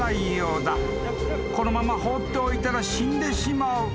［このまま放っておいたら死んでしまう］